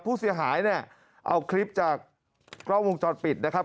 ผู้เสียหายเนี่ยเอาคลิปจากกล้องวงจรปิดนะครับ